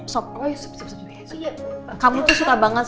sip sip sip kamu tuh suka banget